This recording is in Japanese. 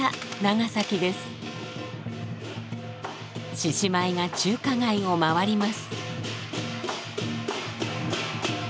獅子舞が中華街を回ります。